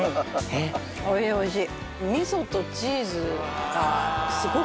おいしい。